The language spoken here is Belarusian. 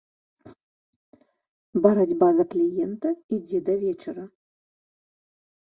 Барацьба за кліента ідзе да вечара.